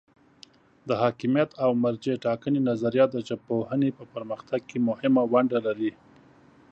د حاکمیت او مرجع ټاکنې نظریه د ژبپوهنې په پرمختګ کې مهمه ونډه لري.